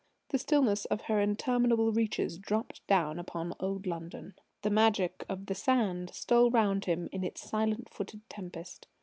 The stillness of her interminable reaches dropped down upon old London.... The magic of the sand stole round him in its silent footed tempest.